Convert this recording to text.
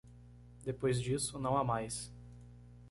Depois disso, não há mais